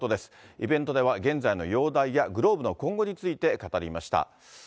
イベントでは、現在の容体やｇｌｏｂｅの今後について語りました。